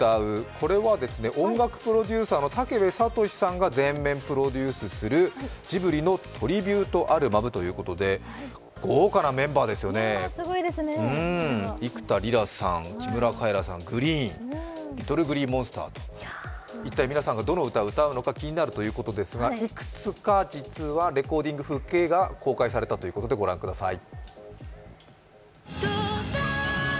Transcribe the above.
これは音楽プロデューサーの武部聡志さんが全面プロデュースするジブリのトリビュートアルバムということで、豪華なメンバーですよね、幾田りらさん、木村カエラさん、ＧＲｅｅｅｅＮ、ＬｉｔｔｌｅＧｌｅｅＭｏｎｓｔｅｒ、一体皆さんがどの歌を歌うのか気になりますがいくつか、実はレコーディング風景が公開されたということでご覧ください。